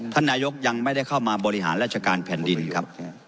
ท่านนายกยังไม่ได้เข้ามาบริหารราชการแผ่นดินครับ